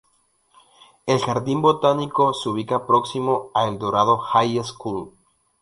El jardín botánico se ubica próximo a "El Dorado High School".